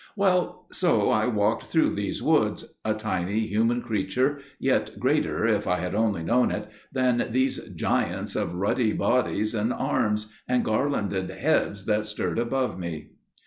Well; so I walked through these woods, a tiny human creature, yet greater, if I had only known it, than these giants of ruddy bodies and arms, and garlanded heads that stirred above me.